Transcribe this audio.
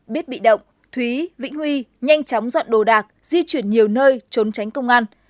biết bị động thúy vĩnh huy nhanh chóng dọn đồ đạc di chuyển nhiều nơi trốn tránh công an